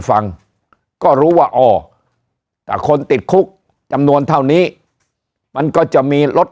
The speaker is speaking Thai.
ฟังก็รู้ว่าอ๋อแต่คนติดคุกจำนวนเท่านี้มันก็จะมีรถ